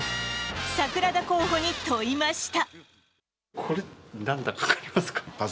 桜田候補に問いました。